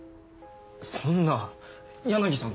そんな柳さん